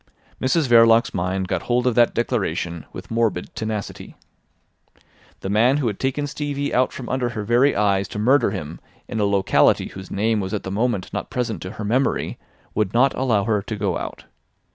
Mrs Verloc's mind got hold of that declaration with morbid tenacity. The man who had taken Stevie out from under her very eyes to murder him in a locality whose name was at the moment not present to her memory would not allow her to go out.